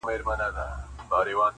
چي به مو ژغوري له بلاګانو-